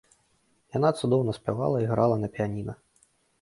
Яна цудоўна спявала і грала на піяніна.